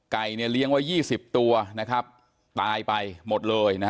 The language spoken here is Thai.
ไก่เลี้ยงไว้๒๐ตัวตายไปหมดเลย